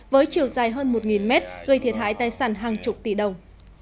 với chiều dài hơn một mét gây thiệt hại tài sản hàng chục tỷ đồng